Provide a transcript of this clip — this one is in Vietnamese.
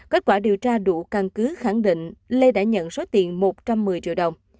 kết quả điều tra đủ căn cứ khẳng định lê đã nhận số tiền một trăm một mươi triệu đồng